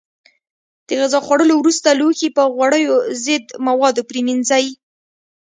د غذا خوړلو وروسته لوښي په غوړیو ضد موادو پرېمنځئ.